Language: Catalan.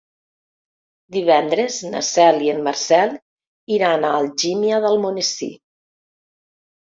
Divendres na Cel i en Marcel iran a Algímia d'Almonesir.